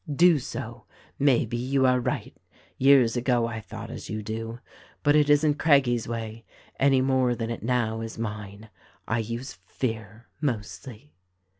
"Do so! May be you are right — years ago I thought as you do. But it isn't Craggie's way, any more than it now is mine. I use fear, mostly."